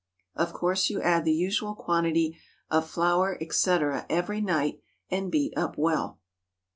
Of course you add the usual quantity of flour, &c., every night, and beat up well.